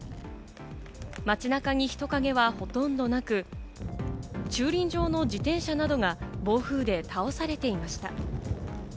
街中に人影はほとんどなく、駐輪場の自転車などが暴風で倒されていました。